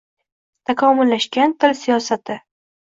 Takomillashgan til siyosati